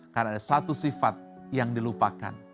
karena ada satu sifat yang dilupakan